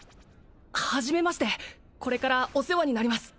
はじめましてこれからお世話になります